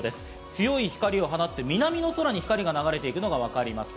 強い光を放って南の空に流れていくのが分かります。